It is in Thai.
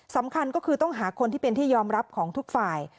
สำคัญก็คือต้องหาคนที่เป็นที่ยอมรับของทุกฝ่าย